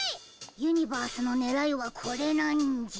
ユニバースのねらいはこれなんじゃ。